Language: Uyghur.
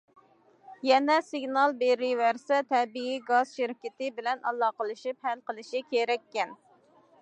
يەنە سىگنال بېرىۋەرسە، تەبىئىي گاز شىركىتى بىلەن ئالاقىلىشىپ ھەل قىلىشى كېرەككەن.